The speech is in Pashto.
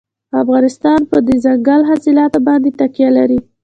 افغانستان په دځنګل حاصلات باندې تکیه لري.